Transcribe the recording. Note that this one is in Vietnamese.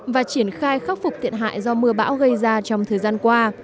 và triển khai khắc phục thiệt hại do mưa bão gây ra trong thời gian qua